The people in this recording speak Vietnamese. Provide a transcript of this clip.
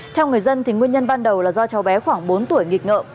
theo người dân nguyên nhân ban đầu là do cháu bé khoảng bốn tuổi nghịch ngợm